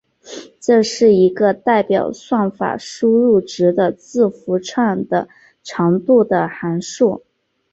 这是一个代表算法输入值的字符串的长度的函数。